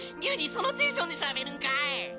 そのテンションでしゃべるんかい？